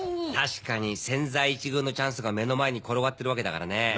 確かに千載一遇のチャンスが目の前に転がってるわけだからね。